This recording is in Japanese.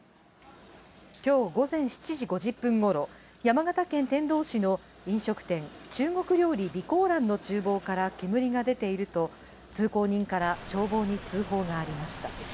今日午前７時５０分頃、山形県天童市の飲食店「中国料理美香蘭」の厨房から煙が出ていると通行人から消防に通報がありました。